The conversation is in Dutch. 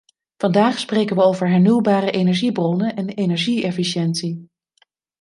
Vandaag spreken we over hernieuwbare energiebronnen en energie-efficiëntie.